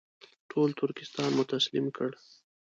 ټول ترکستان مو تسلیم کړ.